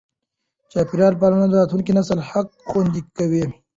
چاپېریال پالنه د راتلونکي نسل حق خوندي کوي.